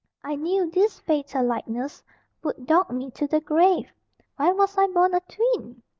I knew this fatal likeness would dog me to the grave. Why was I born a twin?"